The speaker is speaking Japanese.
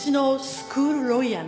スクールロイヤー？